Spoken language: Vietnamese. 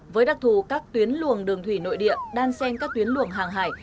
với đặc thù các tuyến luồng đường thủy nội địa đang xem các tuyến luồng hàng hải